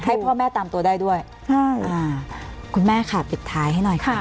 ให้พ่อแม่ตามตัวได้ด้วยใช่อ่าคุณแม่ค่ะปิดท้ายให้หน่อยค่ะ